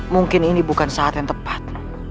mungkin ini bukan saat yang tepat